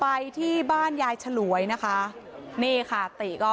ไปที่บ้านยายฉลวยนะคะ